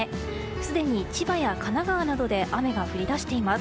すでに千葉や神奈川などで雨が降り出しています。